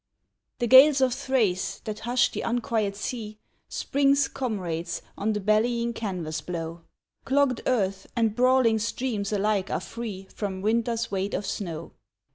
The gales of Thrace, that hush the unquiet sea, Spring's comrades, on the bellying canvas blow: Clogg'd earth and brawling streams alike are free From winter's weight of snow.